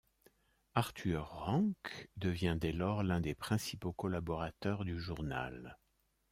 Arthur Ranc devient dès lors l'un des principaux collaborateurs du journal.